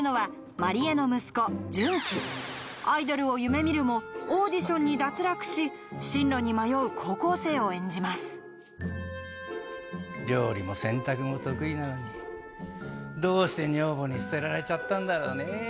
アイドルを夢見るもオーディションに脱落し進路に迷う高校生を演じます料理も洗濯も得意なのにどうして女房に捨てられちゃったんだろうねぇ。